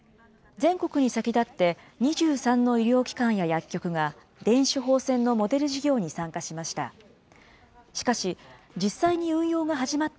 全国に先立って２３の医療機関や薬局が電子処方箋のモデル事業に参加しました。